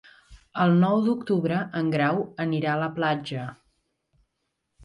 El nou d'octubre en Grau anirà a la platja.